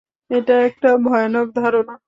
এটা একটা ভয়ানক ধারণা।